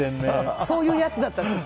そういうやつだったんです。